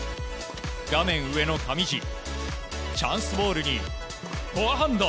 画面上の上地チャンスボールにフォアハンド。